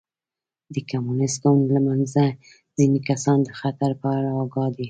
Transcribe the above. د کمونېست ګوند له منځه ځیني کسان د خطر په اړه اګاه دي.